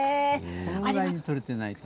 このぐらい取れていないと。